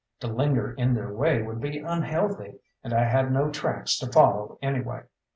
To linger in their way would be unhealthy, and I had no tracks to follow anyway.